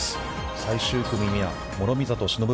最終組には、諸見里しのぶ